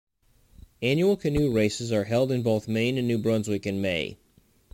Annual canoe races are held in both Maine and New Brunswick in May.